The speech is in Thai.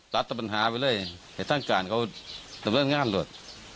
เต๊ะลำไปเลยแต่ท่านการเขาจะเริ่มงานเลย